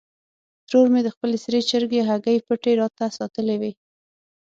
ترور مې د خپلې سرې چرګې هګۍ پټې راته ساتلې وې.